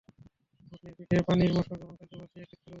উটনীর পিঠে পানির মশক এবং খাদ্যভর্তি একটি থলেও ছিল।